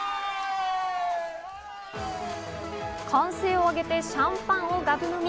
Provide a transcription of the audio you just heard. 歓声をあげてシャンパンをがぶ飲み。